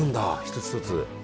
一つ一つ。